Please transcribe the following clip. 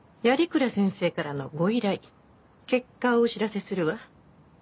鑓鞍先生からのご依頼結果をお知らせするわ。